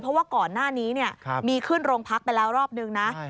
เพราะว่าก่อนหน้านี้มีขึ้นโรงพักไปแล้วรอบนึงนะ